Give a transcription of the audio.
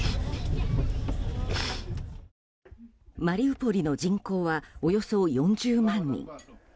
マリウポリの人口はおよそ４０万人。